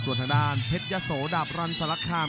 ส่วนทางด้านเพชรยะโสดาบรันสลักคาม